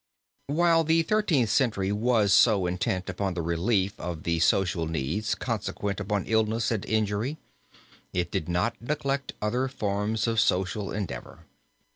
While the Thirteenth Century was so intent upon the relief of the social needs consequent upon illness and injury, it did not neglect other forms of social endeavor.